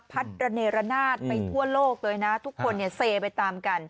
ระเนรนาศไปทั่วโลกเลยนะทุกคนเนี่ยเซไปตามกัน